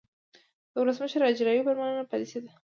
د ولسمشر اجراییوي فرمانونه پالیسي ده.